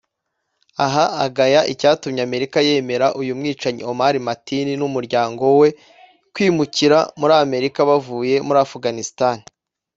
Aha agaya icyatumye Amerika yemerera uyu mwicanyi Omar Mateen n’umuryango we kwimukira muri Amerika bavuye muri Afghanistan